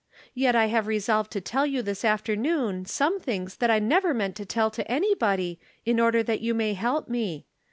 Yet I have resolved to tell you this afternoon some things that I never meant to tell to anybody, in order that you may help me.